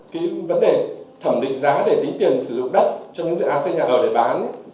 cái vấn đề thẩm định giá để tính tiền sử dụng đất cho những dự án xây nhà đời để bán